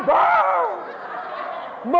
ผม